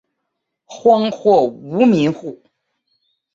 荒或无民户。